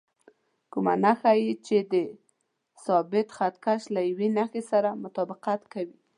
کومه نښه یې چې د ثابت خط کش له یوې نښې سره مطابقت کوي.